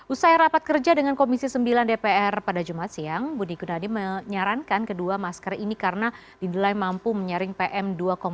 usai rapat kerja dengan komisi sembilan dpr pada jumat siang budi gunadi menyarankan kedua masker ini karena dinilai mampu menyaring pm dua lima